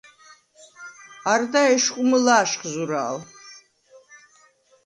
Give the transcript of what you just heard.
არდა ეშხუ მჷლა̄შხ ზურა̄ლ.